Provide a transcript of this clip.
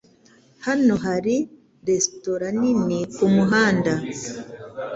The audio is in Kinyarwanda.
Hano hari resitora nini kumuhanda.